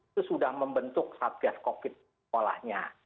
itu sudah membentuk satgas covid sekolahnya